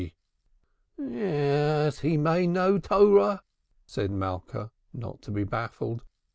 "Yes, he may know Térah" said Malka, not to be baffled.